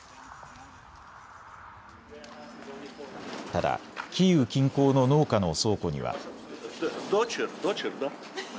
ただキーウ近郊の農家の倉庫には。